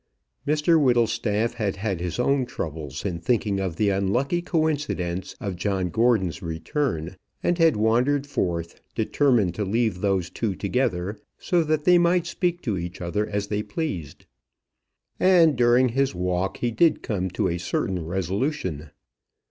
Mr Whittlestaff had had his own troubles in thinking of the unlucky coincidence of John Gordon's return, and had wandered forth, determined to leave those two together, so that they might speak to each other as they pleased. And during his walk he did come to a certain resolution.